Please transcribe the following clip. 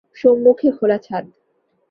সম্মুখে খোলা ছাদ।